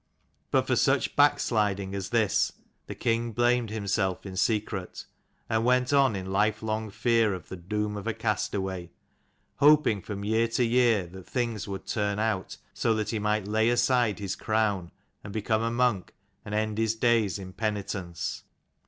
But for such backsliding as this the king blamed himself in secret, and went on in life long fear of the doom of a castaway; hoping from year to year that things would turn out so that he might lay aside his crown, and become a monk, and end his days in penitence.